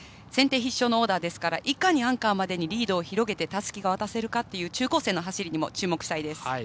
先手必勝のオーダーですからいかにアンカーまでにリードを広げてたすきを渡せるかという中高生の走りにも注目したいです。